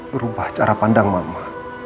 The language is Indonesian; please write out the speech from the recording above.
berubah cara pandang mama